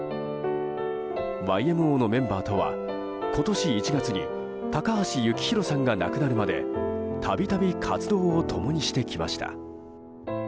ＹＭＯのメンバーとは今年１月に高橋幸宏さんが亡くなるまで度々活動を共にしてきました。